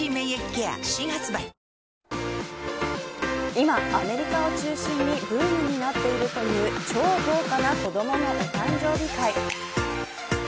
今、アメリカを中心にブームになっているという超豪華な子どものお誕生日会。